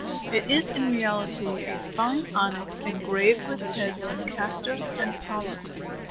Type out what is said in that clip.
It is in reality a fine onyx engraved with the heads of Castor and Pollux.